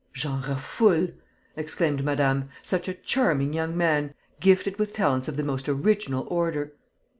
"J'en raffole!" exclaimed Madame; "such a charming young man, gifted with talents of the most original order."